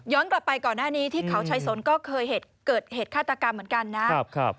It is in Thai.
กลับไปก่อนหน้านี้ที่เขาชายสนก็เคยเกิดเหตุฆาตกรรมเหมือนกันนะครับ